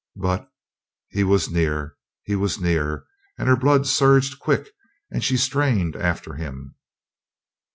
But he was near, he was near, and her blood surged quick and she strained after him.